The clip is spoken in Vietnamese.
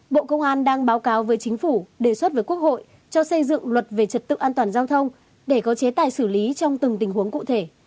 bộ công an đang báo cáo với chính phủ đề xuất với quốc hội cho xây dựng luật về trật tự an toàn giao thông để có chế tài xử lý trong từng tình huống cụ thể